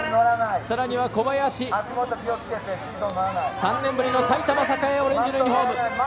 ３年ぶりの埼玉栄オレンジのユニフォーム。